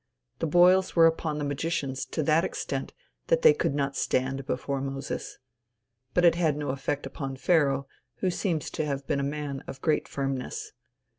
The boils were upon the magicians to that extent that they could not stand before Moses. But it had no effect upon Pharaoh, who seems to have been a man of great firmness.